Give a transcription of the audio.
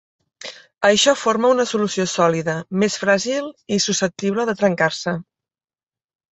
Això forma una solució sòlida més fràgil i susceptible de trencar-se.